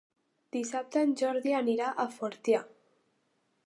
Dissabte en Jordi anirà a Fortià.